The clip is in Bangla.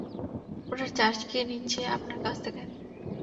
ওটার চার্জ কি নিচ্ছি আপনার কাছ থেকে?